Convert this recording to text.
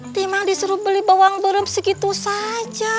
tidak disuruh beli bawang bareng segitu saja